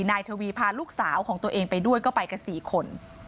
นายทวีพาลูกสาวของตัวเองไปด้วยก็ไปกัน๔คน